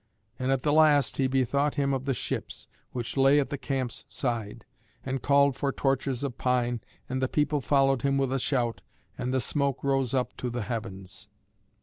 And at the last he bethought him of the ships, which lay at the camp's side, and called for torches of pine, and the people followed him with a shout, and the smoke rose up to the heavens.